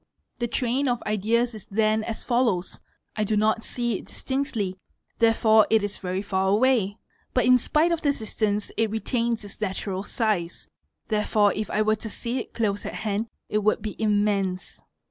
The train of ideas is then as follows :—I do not see it distinctly, therefore it is very far away; but in spite of the distance it retains its natural size, therefore if I were to see it close at hand it would be immense.